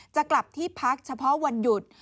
จะกลับที่พักเฉพาะวันหยุด